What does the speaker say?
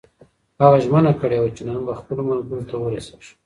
هغه ژمنه کړې وه چې نن به خپلو ملګرو ته ورسېږي.